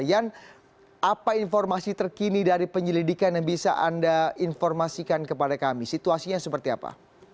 yan apa informasi terkini dari penyelidikan yang bisa anda informasikan kepada kami situasinya seperti apa